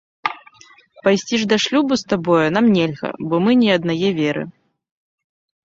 Пайсці ж да шлюбу з табою нам нельга, бо мы не аднае веры.